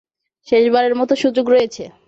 শেষবারের মতো সুযোগ রয়েছে।